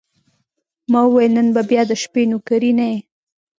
ما وویل: نن به بیا د شپې نوکري نه یې؟